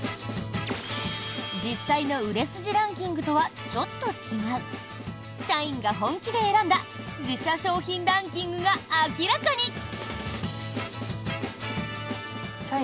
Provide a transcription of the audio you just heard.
実際の売れ筋ランキングとはちょっと違う社員が本気で選んだ自社商品ランキングが明らかに！